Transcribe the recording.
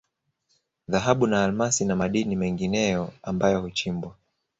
Dhahabu na Almasi na madini mengineyo ambayo huchimbwa